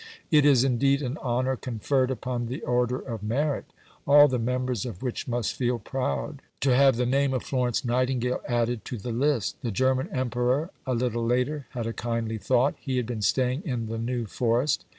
It is indeed an honour conferred upon the Order of Merit; all the members of which must feel proud to have the name of Florence Nightingale added to the list." The German Emperor, a little later, had a kindly thought. He had been staying in the New Forest.